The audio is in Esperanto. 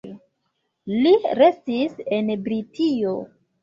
Li restis en Britio.